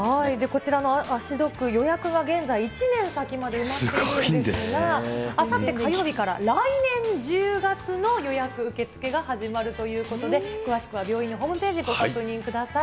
こちらの足ドック、予約が現在１年先まで埋まっているということで、あさって火曜日から、来年１０月の予約受け付けが始まるということで、詳しくは病院のホームページご確認ください。